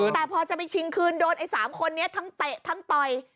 แต่พอจะไปชิงคืนโดนไอ้๓คนนี้ทั้งเตะทั้งต่อย